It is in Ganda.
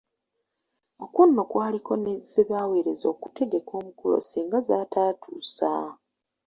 Okwo nno kwaliko ne ze baaweereza okutegeka omukolo senga z'ataatuusa.